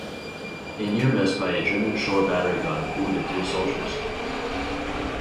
A near miss by a German shore battery gun wounded three sailors.